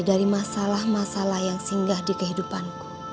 dari masalah masalah yang singgah di kehidupanku